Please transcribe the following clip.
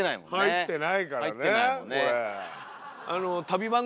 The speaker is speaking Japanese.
入ってないからねこれ。